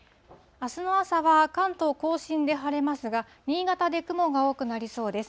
あすの朝は関東甲信で晴れますが、新潟で雲が多くなりそうです。